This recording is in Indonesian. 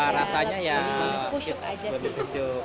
rasanya ya kusyuk aja sih